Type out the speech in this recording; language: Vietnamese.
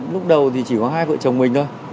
lúc đầu thì chỉ có hai vợ chồng mình thôi